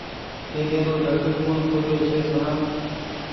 تيليرو ڍڪ ڪوٚڻ کوليو ڇي سوڻآ